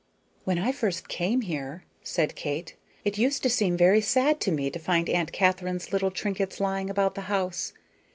"When I first came here," said Kate, "it used to seem very sad to me to find Aunt Katharine's little trinkets lying about the house.